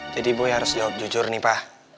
jadi boy harus jawab jujur nih pa